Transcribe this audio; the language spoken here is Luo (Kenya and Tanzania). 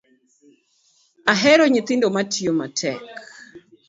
Ahero nyithindo matiyo matek